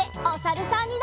おさるさん。